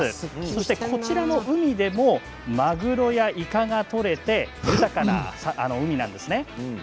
そしてこちらの海でもマグロやイカなどが取れて豊かな海なんですね。